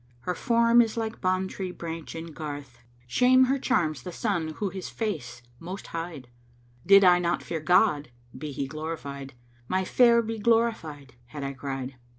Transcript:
Her form is like Bán[FN#508] tree branch in garth * Shame her charms the sun who his face most hide: Did I not fear God (be He glorified!) * 'My Fair be glorified!' Had I cried."